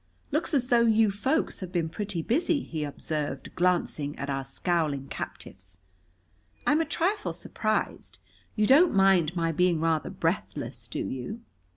"Looks as though you folks have been pretty busy," he observed, glancing at our scowling captives. "I'm a trifle surprised. You don't mind my being rather breathless, do you?"